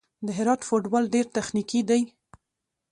د هرات فوټبال ډېر تخنیکي دی.